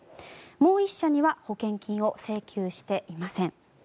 もう１社には保険金を請求していません。